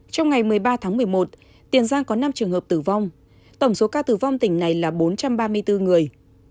trong ngày một mươi ba tháng một mươi một tiền giang có năm trường hợp tử vong tổng số ca tử vong tỉnh này là bốn trăm ba mươi bốn người